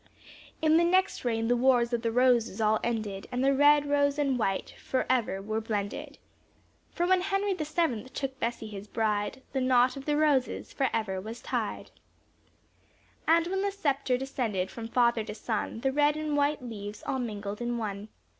In the next reign the wars of the roses, all ended, And the red rose and white, forever were blended; For when Henry the seventh took Bessy his bride, The knot of the roses forever was tied; And when the sceptre descended from father to son, The red and the white leaves all mingled in one.